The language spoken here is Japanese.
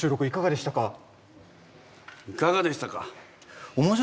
いかがでしたか？